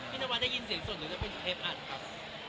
พี่นวัลได้ยินเสียงส่วนหรือเป็นเทปอัดครับ